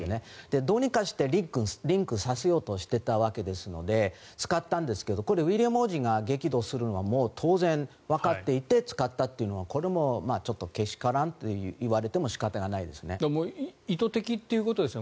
どうにかしてリンクさせようとしてたわけなので使ったんですがウィリアム王子が激怒するのはもう当然わかっていて使ったというのはこれもけしからんと言われても仕方がないですね。意図的ということですよね